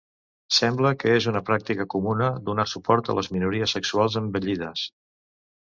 Sembla que és una pràctica comuna donar suport a les minories sexuals envellides.